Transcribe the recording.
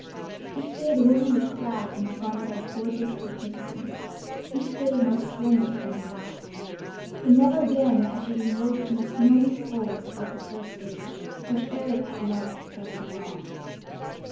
Each day the woman was clad in a garment of gorgeous magnificence, each day more splendid than the last; but never again had she been robed in the snowy folds of the first day, which Eric had loved best of all.